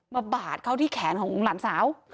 บาดเข้าที่แขนของหลานสาว